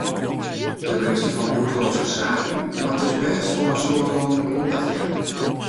De minister fan Bûtenlânske Saken moat dus bêst wol in soad lannen oandacht jaan.